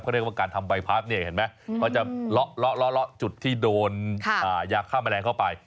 เขาเรียกว่าการทำไวพาร์ทเขาจะเลาะจุดที่โดนยากฆ่าแมลงเข้าไป